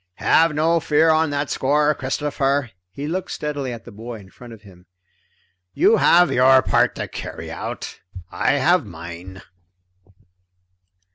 "Have no fear on that score, Christopher." He looked steadily at the boy in front of him. "You have your part to carry out, I have mine."